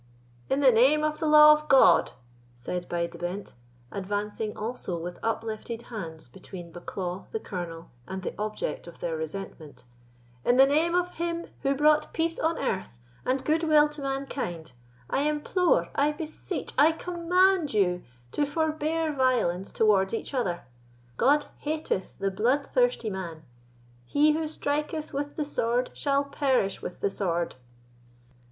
"In the name of the law of God," said Bide the Bent, advancing also with uplifted hands between Bucklaw, the Colonel, and the object of their resentment—"in the name of Him who brought peace on earth and good will to mankind, I implore—I beseech—I command you to forbear violence towards each other! God hateth the bloodthirsty man; he who striketh with the sword shall perish with the sword."